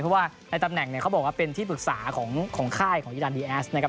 เพราะว่าในตำแหน่งเนี่ยเขาบอกว่าเป็นที่ปรึกษาของค่ายของอีรานดีแอสนะครับ